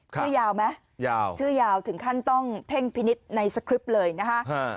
ชื่อยาวไหมยาวชื่อยาวถึงขั้นต้องเพ่งพินิษฐ์ในสคริปต์เลยนะคะ